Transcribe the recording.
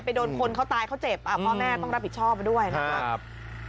โดนคนเขาตายเขาเจ็บพ่อแม่ต้องรับผิดชอบด้วยนะครับ